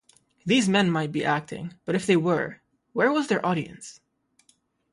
These men might be acting; but if they were, where was their audience?